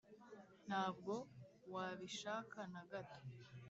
ntabwo wabishaka nagato